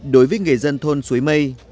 đối với người dân thôn suối mây